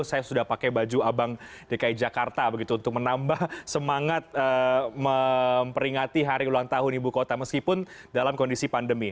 saya sudah pakai baju abang dki jakarta begitu untuk menambah semangat memperingati hari ulang tahun ibu kota meskipun dalam kondisi pandemi